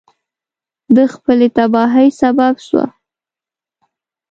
د خپلې تباهی سبب سوه.